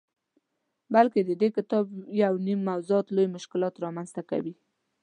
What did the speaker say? بلکه ددې کتاب یونیم موضوعات لوی مشکلات رامنځته کوي.